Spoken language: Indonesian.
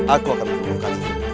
aku akan memperbuka